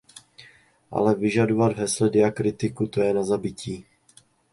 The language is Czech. Ale vyžadovat v hesle diakritiku, to je na zabití.